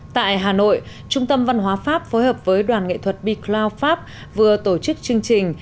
tại hà nội trung tâm văn hóa pháp phối hợp với đoàn nghệ thuật becloud pháp vừa tổ chức chương trình